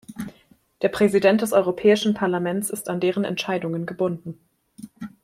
Der Präsident des Europäischen Parlaments ist an deren Entscheidungen gebunden.